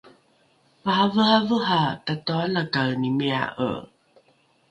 maraveravera tatoalakaenimia’e!